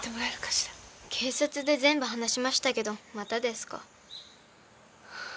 警察で全部話しましたけどまたですか？